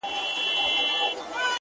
پوهه د شکونو تیاره روښانه کوي’